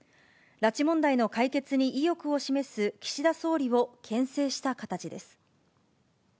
拉致問題の解決に意欲を示す岸田総理をけん制した形です。